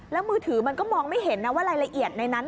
แล้วมือถือมันก็มองไม่เห็นนะว่ารายละเอียดในนั้น